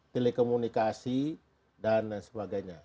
telekomunikasi dan sebagainya